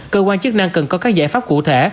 cơ quan chức năng cần có các giải pháp cụ thể